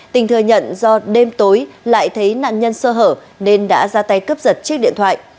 tình thừa nhận do đêm tối lại thấy nạn nhân sơ hở nên đã ra tay cướp giật chiếc điện thoại